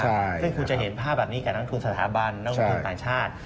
ซึ่งคุณจะเห็นภาพแบบนี้กับนักทุนสถาบันนักลงทุนต่างชาติ